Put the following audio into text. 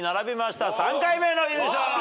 ３回目の優勝。